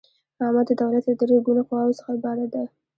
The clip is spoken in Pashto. عامه د دولت له درې ګونو قواوو څخه عبارت ده.